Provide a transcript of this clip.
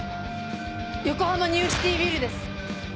横浜ニューシティービルです！